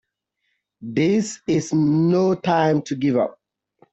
This is no time to give up!